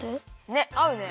ねっあうね。